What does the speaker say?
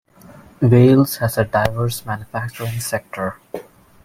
Wales has a diverse manufacturing sector.